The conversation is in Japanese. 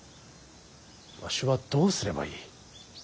わしはどうすればいい。